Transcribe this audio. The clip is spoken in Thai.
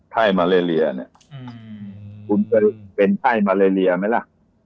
ไข้มาเลเลียคุณเป็นไข้มาเลเลียไหมล่ะ